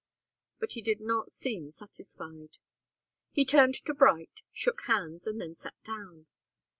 But he did not seem satisfied. He turned to Bright, shook hands, and then sat down.